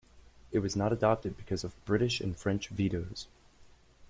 It was not adopted because of British and French vetoes.